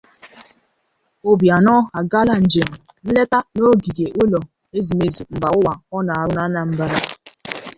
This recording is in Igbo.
Obianọ Agaala Njem Nleta n'Ogige Ụlọ Ezumeezu Mba Ụwa A Na-Arụ n'Anambra